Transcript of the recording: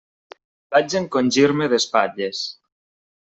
Vaig encongir-me d'espatlles.